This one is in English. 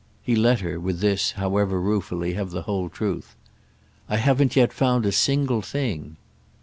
He let her, with this, however ruefully, have the whole truth. "I haven't yet found a single thing."